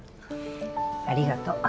ありがとう。